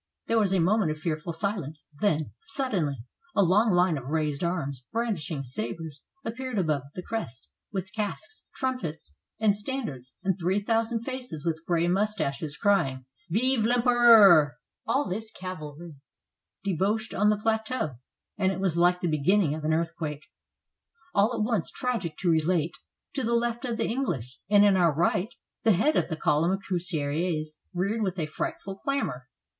There was a moment of fearful si lence; then, suddenly a long Une of raised arms bran dishing sabers appeared above the crest, with casques, trumpets, and standards, and three thousand faces with gray mustaches, crying, "Vive VEmpereur!^^ All this 369 FRANCE cavalry debouched on the plateau, and it was like the beginning of an earthquake. All at once, tragic to relate, at the left of the English, and on our right, the head of the column of cuirassiers reared with a frightful clamor.